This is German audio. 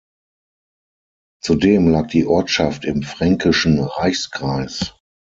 Zudem lag die Ortschaft im Fränkischen Reichskreis.